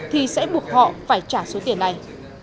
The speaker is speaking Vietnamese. thì sẽ buộc họ phải trả số tiền này